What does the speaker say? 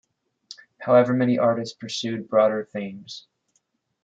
However many artists pursued broader themes.